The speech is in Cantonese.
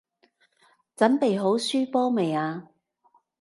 準備好輸波未啊？